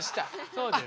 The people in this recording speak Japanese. そうです。